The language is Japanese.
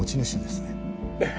ええ。